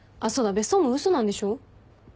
別荘も嘘なんでしょ？